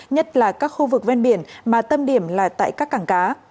nhất là các khu vực ven biển mà tâm điểm là tại các cảng cá